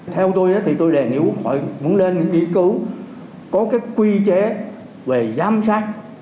theo tôi thì tôi đề nghị quốc hội muốn lên những ý cứu có các quy chế về giám sát